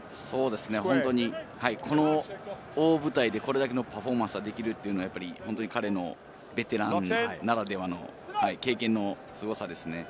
本当にこの大舞台でこれだけのパフォーマンスができるというのは本当に彼のベテランならではの経験のすごさですね。